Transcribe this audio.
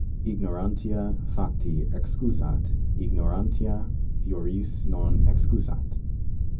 Ignorantia facti excusat, ignorantia juris non excusat.